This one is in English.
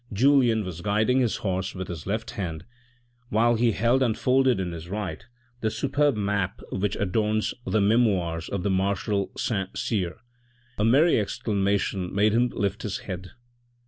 Julien was guiding his horse with his left hand, while he held unfolded in his right the superb map which adorns the Memoirs of the Marshal Saint Cyr. A merry exclamation made him lift his head.